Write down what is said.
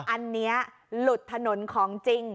อันนี้หลุดถนนของจริง